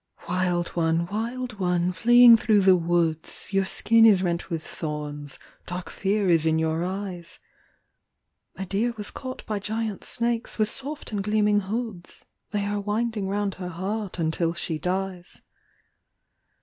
THE AMBUSH. " TV/ILD one, wild one, fleeing through the woods, »» Your skin is rent with thorns, dark fear is in your eyes." " A deer was caught by giant snakes with soft and gleaming hoods : They are winding round her heart until she dies."